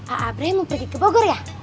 aabri mau pergi ke bogor ya